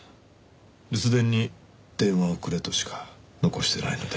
留守電に電話をくれとしか残してないので。